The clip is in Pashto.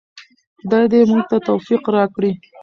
خدای دې موږ ته توفیق راکړي.